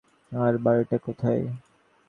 আর বাড়িটা কোথায়?